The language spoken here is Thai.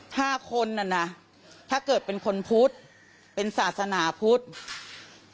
ห้าคนน่ะนะถ้าเกิดเป็นคนพุทธเป็นศาสนาพุทธ